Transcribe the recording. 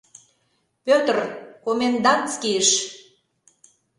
— Пӧтр, комендантскийыш!